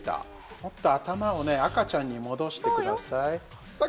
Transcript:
もっと頭を赤ちゃんに戻してください。